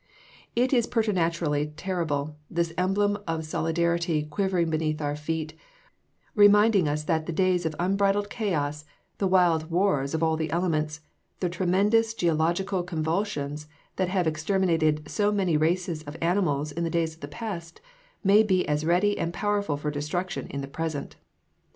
It is preternaturally terrible; this emblem of solidity quivering beneath our feet, reminding us that the days of unbridled chaos, the wild war of all the elements, the tremendous geological convulsions that have exterminated so many races of animals in the days of the past, may be as ready and powerful for destruction in the present!